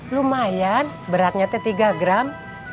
lumayan beratnya itu tiga gram